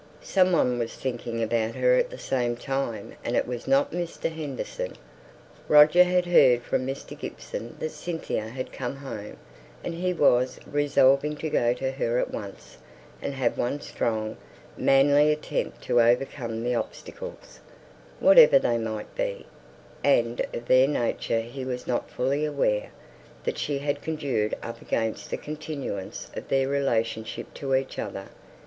Some one was thinking about her at the same time, and it was not Mr. Henderson. Roger had heard from Mr. Gibson that Cynthia had come home, and he was resolving to go to her at once, and have one strong, manly attempt to overcome the obstacles whatever they might be and of their nature he was not fully aware that she had conjured up against the continuance of their relation to each other.